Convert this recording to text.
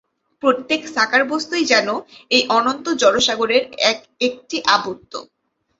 প্রত্যেক সাকার বস্তুই যেন এই অনন্ত জড়সাগরের এক-একটি আবর্ত।